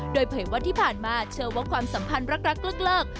โดยเผยว่าที่ผ่านมาเชื่อว่าความสัมพันธ์รักเลิก